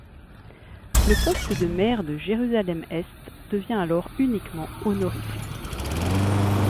Le poste de maire de Jérusalem-Est devient alors uniquement honorifique.